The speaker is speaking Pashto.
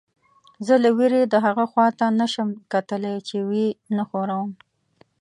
زه له وېرې دهغه خوا ته نه شم کتلی چې ویې نه ښوروم.